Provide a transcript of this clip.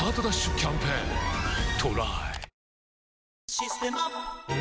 「システマ」